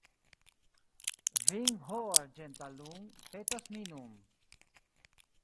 Vin ho arĝenta lun’ petas mi nun.